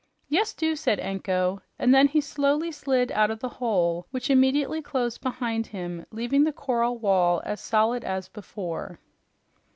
"Yes, do," said Anko. And then he slowly slid out of the hole, which immediately closed behind him, leaving the coral wall as solid as before.